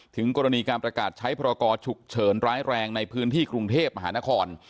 ถึงกรณีการประกาศใช้พรกรฉุกเฉินร้ายแรงในพื้นที่กรุงเทพมหานคร